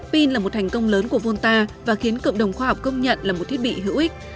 pin là một thành công lớn của volta và khiến cộng đồng khoa học công nhận là một thiết bị hữu ích